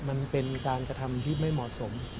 มันเป็นการกระทำที่ไม่เหมาะสม